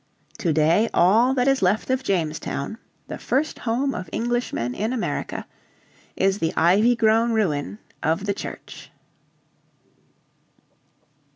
Today all that is left of Jamestown, the first home of Englishmen in America, is the ivy grown ruin of the church.